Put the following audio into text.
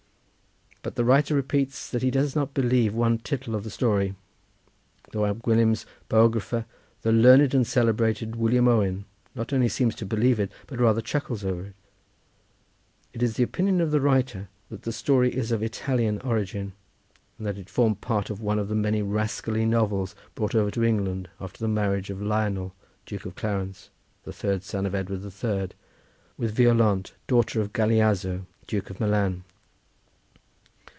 But the writer repeats that he does not believe one tittle of the story, though Ab Gwilym's biographer, the learned and celebrated William Owen, not only seems to believe it, but rather chuckles over it. It is the opinion of the writer that the story is of Italian origin, and that it formed part of one of the many rascally novels brought over to England after the marriage of Lionel Duke of Clarence, the third son of Edward the Third, with Violante, daughter of Galeazzo, Duke of Milan.